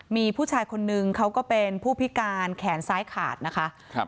มีผู้ชายคนนึงเขาก็เป็นผู้พิการแขนซ้ายขาดนะคะครับ